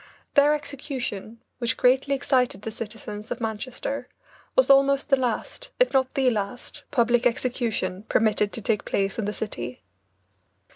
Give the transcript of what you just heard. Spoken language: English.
Their execution, which greatly excited the citizens of Manchester, was almost the last, if not the last, public execution permitted to take place in the city.